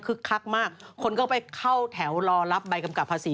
คักมากคนก็ไปเข้าแถวรอรับใบกำกับภาษี